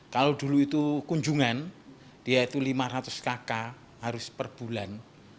kalau dulu itu kunjungan yaitu lima ratus kk harus perbulan